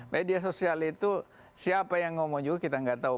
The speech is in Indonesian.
media sosial itu siapa yang ngomong juga kita nggak tahu